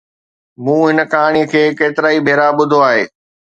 مون هن ڪهاڻي کي ڪيترائي ڀيرا ٻڌو آهي.